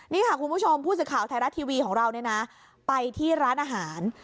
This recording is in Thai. นี่ค่ะคุณผู้ชมผู้สื่อข่าวไทยรัฐทีวีของเราเนี่ยนะไปที่ร้านอาหาร